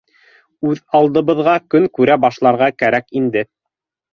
Үҙ алдыбыҙға көн күрә башларға кәрәк инде.